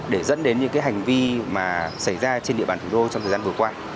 để dẫn đến những hành vi mà xảy ra trên địa bàn thủ đô trong thời gian vừa qua